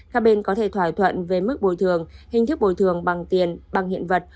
các bên có thể thỏa thuận về mức bồi thường hình thức bồi thường bằng tiền bằng hiện vật